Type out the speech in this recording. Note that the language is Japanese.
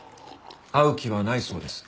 会う気はないそうです。